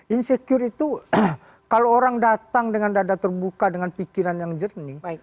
insecure itu kalau orang datang dengan dada terbuka dengan pikiran yang jernih